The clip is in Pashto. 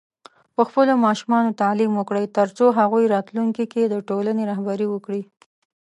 په خپلو ماشومانو تعليم وکړئ، ترڅو هغوی راتلونکي کې د ټولنې رهبري وکړي.